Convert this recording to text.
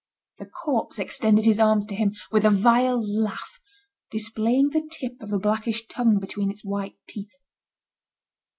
The corpse extended his arms to him, with a vile laugh, displaying the tip of a blackish tongue between its white teeth.